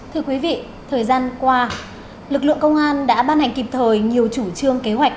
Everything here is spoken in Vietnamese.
thưa quý vị thời gian qua lực lượng công an đã ban hành kịp thời nhiều chủ trương kế hoạch